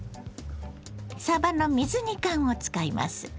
さばの水煮缶を使います。